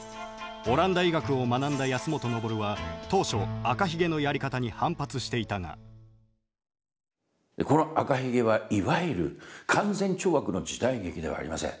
オランダ医学を学んだ保本登は当初赤ひげのやり方に反発していたがこの赤ひげはいわゆる勧善懲悪の時代劇ではありません。